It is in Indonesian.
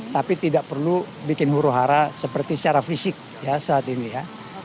tapi tidak perlu bikin huru hara seperti secara fisik ya saat ini ya